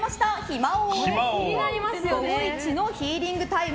午後イチのヒーリングタイム